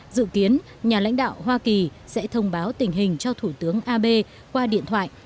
dự kiến nhà lãnh đạo hoa kỳ sẽ thông báo tình hình cho thủ tướng abe qua điện thoại